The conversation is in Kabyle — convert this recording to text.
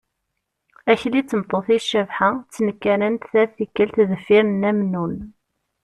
Akli d tmeṭṭut-is Cabḥa ttnekkaren-d tal tikkelt deffir n nna Mennun.